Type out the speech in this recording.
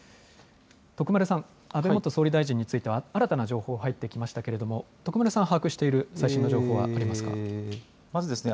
徳丸さん安倍元総理大臣については新たな情報が入ってきましたけれども徳丸さん把握している最新の情報はありますか。